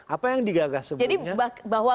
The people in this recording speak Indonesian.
apa yang digagah sebelumnya jadi bahwa